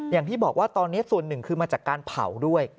อย่างที่บอกว่าตอนนี้ส่วนหนึ่งคือมาจากการเผาด้วย